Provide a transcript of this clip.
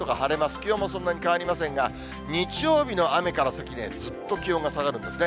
気温もそんなに変わりませんが、日曜日の雨から先、ぐっと気温が下がるんですね。